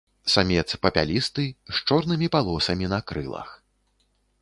Самец папялісты, з чорнымі палосамі на крылах.